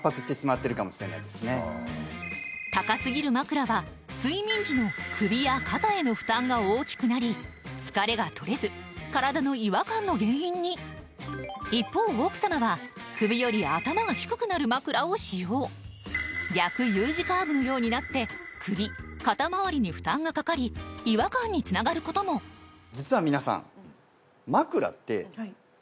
高すぎる枕は睡眠時の首や肩への負担が大きくなり疲れが取れず体の違和感の原因に一方奥さまは首より頭が低くなる枕を使用逆Ｕ字カーブのようになって首肩周りに負担がかかり違和感につながることも実は皆さん。